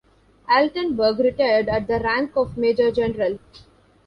Altenburg retired at the rank of Major General.